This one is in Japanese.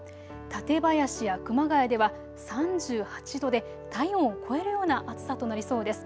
館林や熊谷では３８度で体温を超えるような暑さとなりそうです。